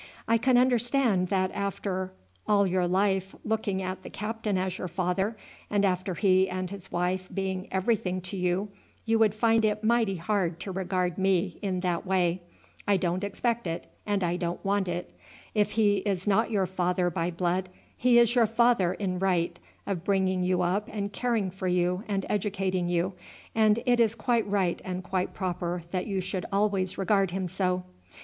"I can understand that after all your life looking at the captain as your father, and after he and his wife being everything to you, you would find it mighty hard to regard me in that way. I don't expect it, and I don't want it. If he is not your father by blood, he is your father in right of bringing you up and caring for you and educating you, and it is quite right and quite proper that you should always regard him so.